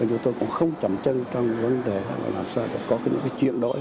chúng tôi cũng không chậm chân trong vấn đề là làm sao để có những chuyển đổi